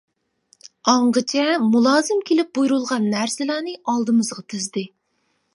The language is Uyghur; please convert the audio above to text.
ئاڭغىچە مۇلازىم كېلىپ بۇيرۇلغان نەرسىلەرنى ئالدىمىزغا تىزدى.